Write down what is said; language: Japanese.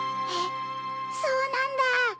えっそうなんだ。